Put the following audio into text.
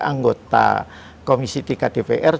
anggota komisi tiga dpr